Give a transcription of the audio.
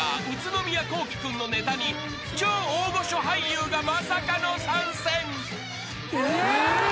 宇都宮聖君のネタに超大御所俳優がまさかの参戦］